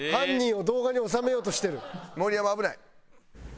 盛山危ない！